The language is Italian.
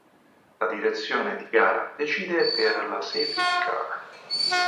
La direzione di gara decide per la "safety car".